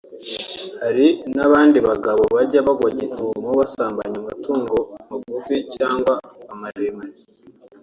Hari n’abandi bagabo bajya bagubwa gitumo basambanya amatungo magufi cyangwa amaremare